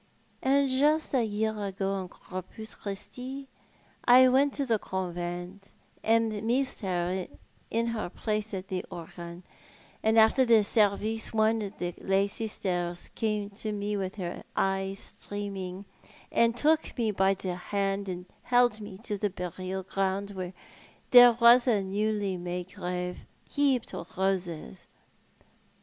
And just a year ago on Corpus Christi I went to the convent, and missed her in her place at the organ ; and after the service one of the Jay sisters came to me, with her eyes streaming, and took me by the hand and led me to the burial ground where there was a new made grave hcajicd with roses.